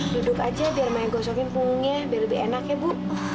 duduk aja biar main gosokin pungnya biar lebih enak ya bu